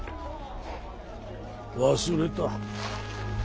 忘れた。